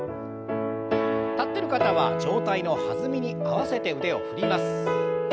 立ってる方は上体の弾みに合わせて腕を振ります。